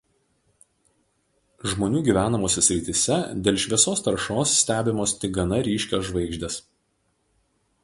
Žmonių gyvenamose srityse dėl šviesos taršos stebimos tik gana ryškios žvaigždės.